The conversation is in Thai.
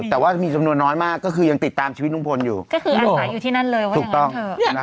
แต่ว่ามีสมนวณน้อยมากก็คือยังติดตามชีวิตนุ้งพลอยู่ก็คืออาศัยอยู่ที่นั่นเลยว่าอย่างนั้นเถอะเนี้ย